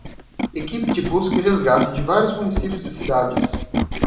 Equipe de busca e resgate de vários municípios e cidades